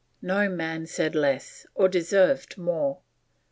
No man said less, or deserved more.